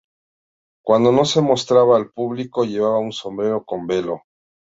Cuando no se mostraba al público, llevaba un sombrero con velo.